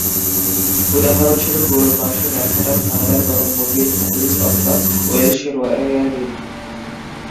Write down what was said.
উদাহরণস্বরূপ, গরুর মাংস ম্যানহাটান, কানাডার গরম মুরগীর স্যান্ডউইচ অথবা ওয়েলশ রেয়ারবিট।